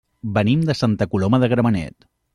Venim de Santa Coloma de Gramenet.